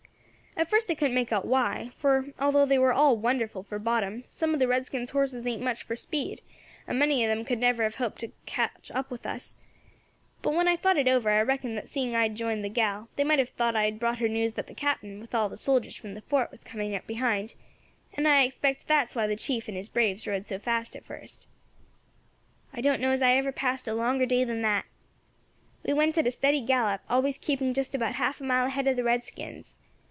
"At first I couldn't make out why; for although they are all wonderful for bottom, some of the redskins' horses ain't much for speed, and many of them could never have hoped to have come up with us. But when I thought it over, I reckoned that seeing I had joined the gal, they might have thought that I had brought her news that the Captain, with all the soldiers from the fort, was coming up behind, and I expect that's why the chief and his braves rode so fast at first. "I don't know as I ever passed a longer day than that. We went at a steady gallop, always keeping just about half a mile ahead of the redskins.